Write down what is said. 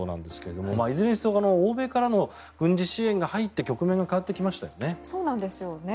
いずれにせよ欧米からの軍事資源が入って局面が変わってきましたよね。